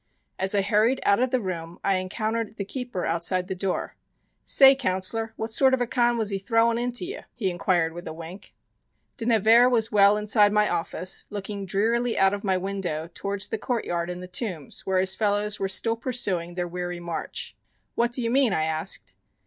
As I hurried out of the room I encountered the keeper outside the door. "Say, Counsellor, what sort of a 'con' was he throwin' into you?" he inquired with a wink. De Nevers was well inside my office, looking drearily out of my window towards the courtyard in the Tombs where his fellows were still pursuing their weary march. "What do you mean?" I asked.